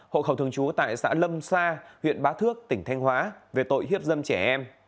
hộ khẩu thường trú tại xã lâm sa huyện bá thước tỉnh thanh hóa về tội hiếp dâm trẻ em